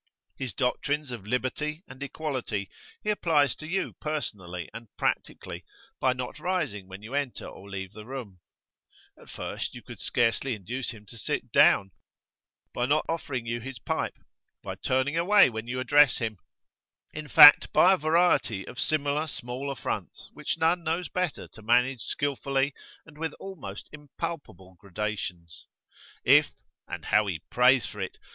His doctrines of liberty and [p.39]equality he applies to you personally and practically, by not rising when you enter or leave the room, at first you could scarcely induce him to sit down, by not offering you his pipe, by turning away when you address him; in fact, by a variety of similar small affronts which none knows better to manage skilfully and with almost impalpable gradations. If and how he prays for it!